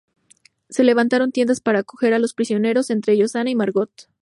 Se levantaron tiendas para acoger a los prisioneros, entre ellos Ana y Margot.